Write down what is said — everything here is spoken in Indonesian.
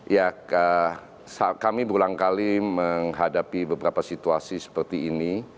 ya kami berulang kali menghadapi beberapa situasi seperti ini